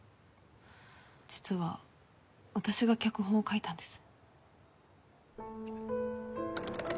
実は私が脚本を書いたんです。